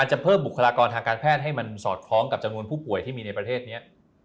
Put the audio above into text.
จะเพิ่มบุคลากรทางการแพทย์ให้มันสอดคล้องกับจำนวนผู้ป่วยที่มีในประเทศนี้